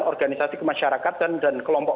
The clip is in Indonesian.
organisasi kemasyarakat dan kelompok